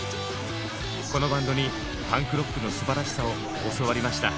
このバンドにパンクロックのすばらしさを教わりました。